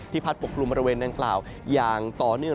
ที่พัดปกปรุงบริเวณนั้นข่าวอย่างต่อเนื่อง